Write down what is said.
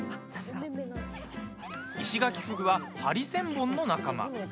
イシガキフグはハリセンボンの仲間。